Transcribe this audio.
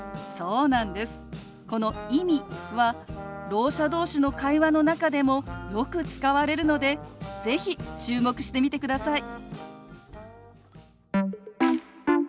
この「意味」はろう者同士の会話の中でもよく使われるので是非注目してみてください。